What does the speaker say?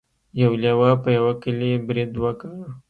یو لیوه په یوه کلي برید وکړ.